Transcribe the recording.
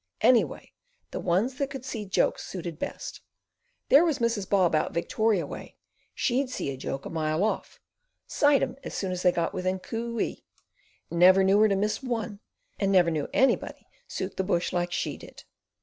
Anyway, the ones that could see jokes suited best. There was Mrs. Bob out Victoria way. She'd see a joke a mile off; sighted 'em as soon as they got within cooee. Never knew her miss one, and never knew anybody suit the bush like she did."